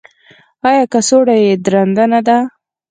ایا کڅوړه یې درنده نه ده؟